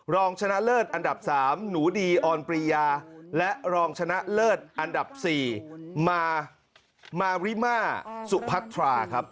รองชนะเลิศอันดับ๓หนูดีออนปรียาและรองชนะเลิศอันดับ๔มามาริมาสุพัทราครับ